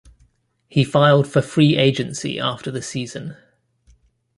He filed for free agency after the season.